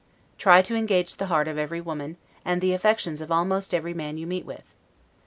Try to engage the heart of every woman, and the affections of almost every man you meet with.